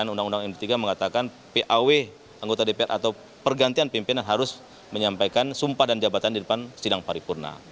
undang undang md tiga mengatakan paw anggota dpr atau pergantian pimpinan harus menyampaikan sumpah dan jabatan di depan sidang paripurna